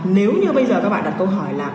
nếu như các bạn đặt câu hỏi là